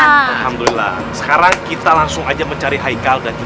fahim nah alhamdulillah sekarang kita langsung aja mencari haikal dan dodot